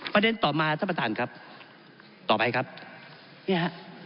ประเด็นต่อมาท่านประธานครับต่อไปครับเนี่ยฮะ